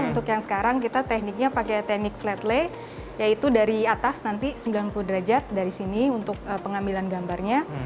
untuk yang sekarang kita tekniknya pakai teknik flat lay yaitu dari atas nanti sembilan puluh derajat dari sini untuk pengambilan gambarnya